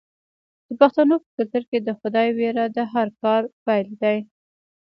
د پښتنو په کلتور کې د خدای ویره د هر کار پیل دی.